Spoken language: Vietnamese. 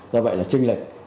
do vậy là tranh lệch